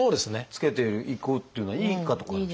つけていくというのはいいことかも。